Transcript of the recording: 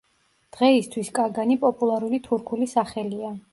დღეისთვის კაგანი პოპულარული თურქული სახელია.